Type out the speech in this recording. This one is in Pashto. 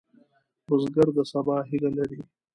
بزګر د سبا هیله لري